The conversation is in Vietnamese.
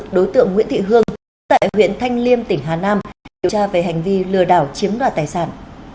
đối tượng nguyễn thị hương chú tại huyện thanh liêm tỉnh hà nam điều tra về hành vi lừa đảo chiếm đoạt tài sản